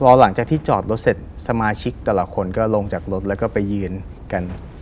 พอหลังจากที่จอดรถเสร็จสมาชิกแต่ละคนก็ลงจากรถแล้วก็ไปยืนกัน